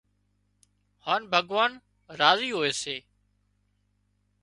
هانَ ڀڳوان راضي هوئي سي